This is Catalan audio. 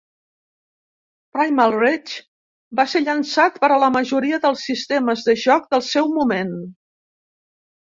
"Primal Rage" va ser llançat per a la majoria dels sistemes de joc del seu moment.